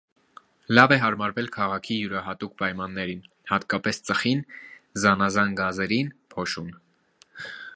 Լավ է հարմարվել քաղաքի յուրահատուկ պայմաններին, հատկապես ծխին, զանազան գազերին, փոշուն։